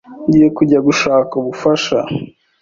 Ngiye kujya gushaka ubufasha.